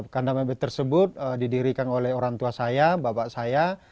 kandang bebek tersebut didirikan oleh orang tua saya bapak saya